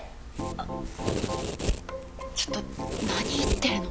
あちょっと何言ってるの？